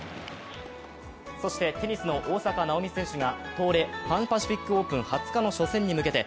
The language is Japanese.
そしてテニスの大坂なおみ選手が東レ・パン・パシフィックオープン２０日の初戦に向けて